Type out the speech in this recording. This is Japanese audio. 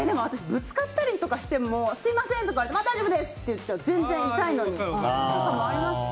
ぶつかったりとかしてもすみません！とか大丈夫です！って言っちゃいます。